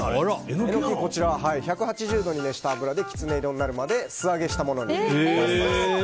エノキを１８０度に熱した油でキツネ色になるまで素揚げしたものになります。